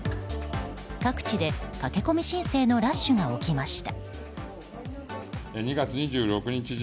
各地で、駆け込み申請のラッシュが起きました。